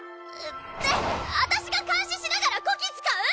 で私が監視しながらこき使う！